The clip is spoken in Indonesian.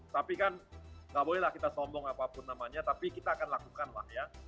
tapi kan nggak bolehlah kita sombong apapun namanya tapi kita akan lakukan lah ya